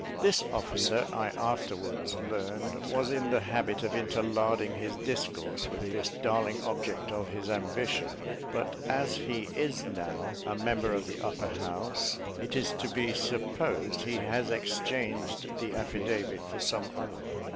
This officer, I afterwards learned, was in the habit of interlarding his discourse with this darling object of his ambition; but as he is now a member of the Upper House, it is to be supposed he has exchanged the affidavit for some other.